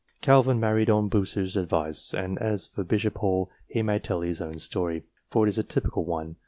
Calvin married on Bucer's advice ; and as for Bishop Hall, he may tell his own story, for it is a typical one.